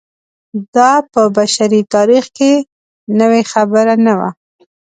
دا په بشري تاریخ کې نوې خبره نه وه.